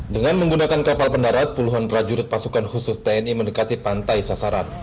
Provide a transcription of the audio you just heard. dengan menggunakan kapal pendarat puluhan prajurit pasukan khusus tni mendekati pantai sasaran